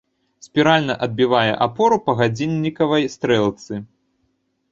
Спіральна абвівае апору па гадзіннікавай стрэлцы.